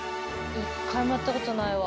１回もやったことないわ。